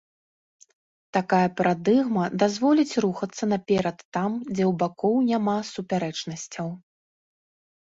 Такая парадыгма дазволіць рухацца наперад там, дзе ў бакоў няма супярэчнасцяў.